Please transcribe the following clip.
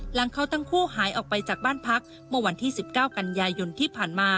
หลังเขาทั้งคู่หายออกไปจากบ้านพักเมื่อวันที่๑๙กันยายนที่ผ่านมา